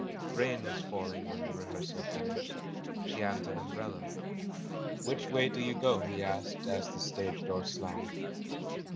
Rain was falling when the rehearsal finished. She hadn't an umbrella. "Which way do you go?" he asked as the stage door slammed.